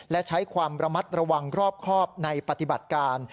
และใช้ความระมัดระวังรอบครอบในปฏิบัติการ